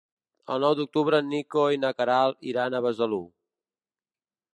El nou d'octubre en Nico i na Queralt iran a Besalú.